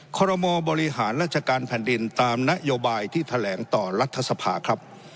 ขอรมอบริหารราชการแผ่นดินตามนโยบายที่แถลงต่อรัฐสภาครับ